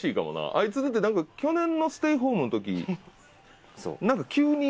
あいつだって去年のステイホームの時なんか急に。